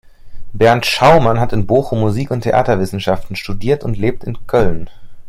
Bernd Schaumann hat in Bochum Musik- und Theaterwissenschaften studiert und lebt in Köln.